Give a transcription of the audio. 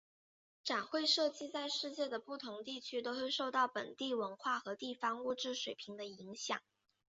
展会设计在世界的不同地区都会受到本地文化和地方物质水平的影响。